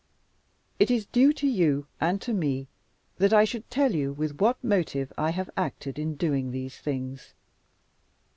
"It is due to you and to me that I should tell you with what motive I have acted in doing these things.